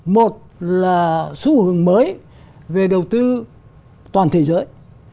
một là xu hướng mới về đầu tư toàn thế giới